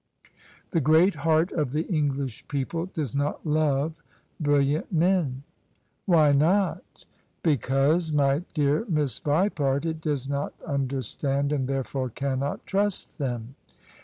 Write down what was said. The great heart of the English people does not love brilliant men." "Why not?" " Because, my dear Miss Vipart, it does not understand OF ISABEL CARNABY and therefore cannot trust them.